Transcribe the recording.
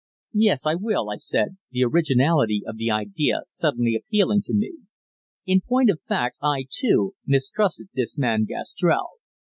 "Yes, I will," I said, the originality of the idea suddenly appealing to me. In point of fact I, too, mistrusted this man Gastrell.